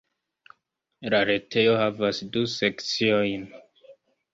La retejo havas du sekciojn.